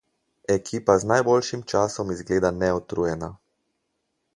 Ekipa z najboljšim časom izgleda neutrujena.